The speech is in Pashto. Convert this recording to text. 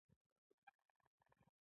مجاهد د عادل نظام غوښتونکی وي.